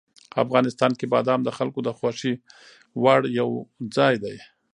افغانستان کې بادام د خلکو د خوښې وړ یو ځای دی.